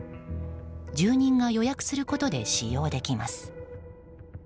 住人が予約することで使用できます。